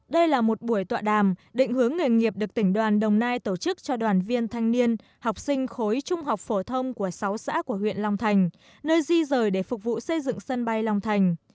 đây là một buổi tọa đàm định hướng nghề nghiệp được tỉnh đoàn đồng nai tổ chức cho đoàn viên thanh niên học sinh khối trung học phổ thông của sáu xã của huyện long thành nơi di rời để phục vụ xây dựng sân bay long thành